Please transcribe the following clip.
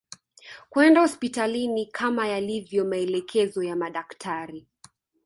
kwenda hospitalini kama yalivyo maelekezo ya madaktari